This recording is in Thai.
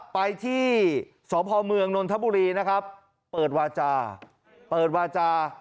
ไปที่สพเมืองนนทบุรีนะครับเปิดวาจา